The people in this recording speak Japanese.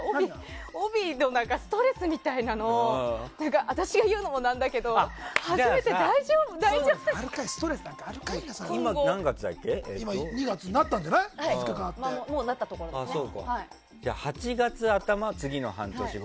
帯のストレスみたいなものを私が言うのもなんだけど大丈夫ですかね、今後。